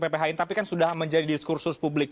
pphn tapi kan sudah menjadi diskursus publik